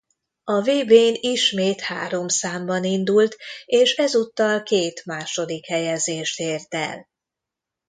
A vb-n ismét három számban indult és ezúttal két második helyezést ért el.